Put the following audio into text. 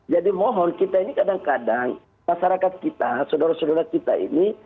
mohon kita ini kadang kadang masyarakat kita saudara saudara kita ini